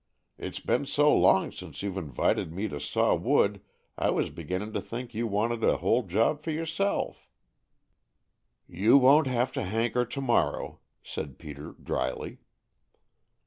It's been so long since you've invited me to saw wood I was beginnin' to think you wanted the whole job for yourself." "You won't have to hanker to morrow," said Peter dryly.